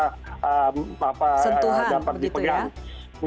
sentuhan begitu ya